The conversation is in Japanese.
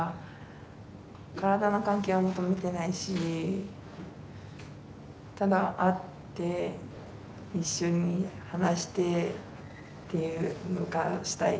体の関係は求めてないしただ会って一緒に話してっていうのがしたいだけ。